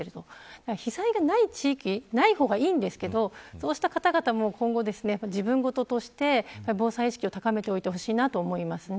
だから被災がない方がいいんですけどそうした方々も今後、自分事として防災意識を高めておいてほしいと思います。